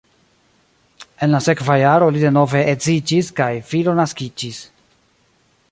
En la sekva jaro li denove edziĝis kaj filo naskiĝis.